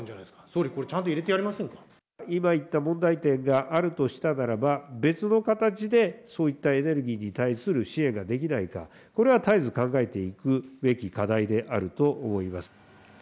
総理、これ、ちゃんと入今言った問題点があるとしたならば、別の形で、そういったエネルギーに対する支援ができないか、これは絶えず考えていくべき課題であると思います。